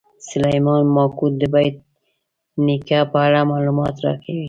سلیمان ماکو د بېټ نیکه په اړه معلومات راکوي.